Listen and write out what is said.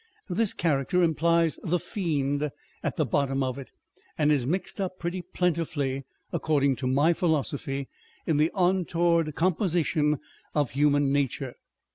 This character implies the fiend at the bottom of it ; and is mixed up pretty plentifully (according to my philo sophy) in the untoward composition of human nature.